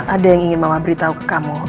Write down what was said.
ada yang ingin mama beritahu ke kamu